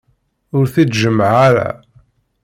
Ur t-id-jemmε ara.